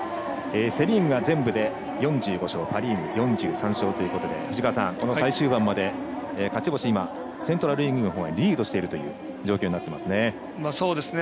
セ・リーグが全部で４５勝パ・リーグ４３勝ということで藤川さん、最終盤まで勝ち星セントラル・リーグのほうがリードしているという状況になってますね。